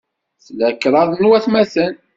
Tla kṛad n watmaten.